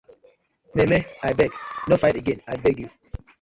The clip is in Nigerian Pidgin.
Maymay abeg no fight again abeg yu.